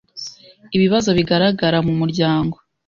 ibibazo bigaragara mu muryango